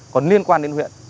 còn liên quan đến huyện